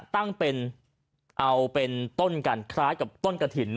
ตั้งเป็นเอาเป็นต้นกันคล้ายกับต้นกระถิ่น